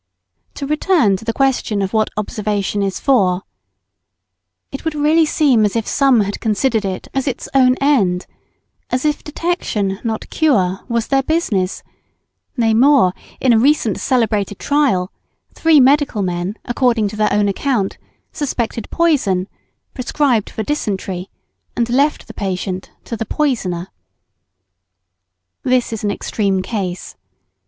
[Sidenote: Observation is for practical purposes.] To return to the question of what observation is for: It would really seem as if some had considered it as its own end, as if detection, not cure, was their business; nay more, in a recent celebrated trial, three medical men, according to their own account, suspected poison, prescribed for dysentery, and left the patient to the poisoner. This is an extreme case.